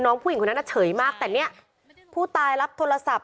ผู้หญิงคนนั้นน่ะเฉยมากแต่เนี่ยผู้ตายรับโทรศัพท์